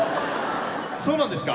そうなんですか！？